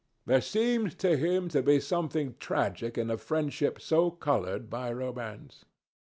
There seemed to him to be something tragic in a friendship so coloured by romance.